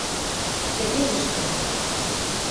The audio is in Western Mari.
Кӹдежӹштӹ!